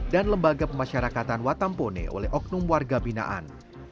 dan lembaga pemasyarakatan watampone oleh oknum warga binaan